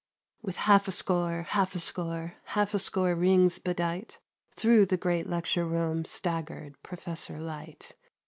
With half a score, Half a score, Half a score rings bedight, Through the great lecture room Staggered Professor Light.